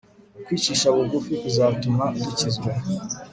ukwicisha bugufi kuzatume dukizwa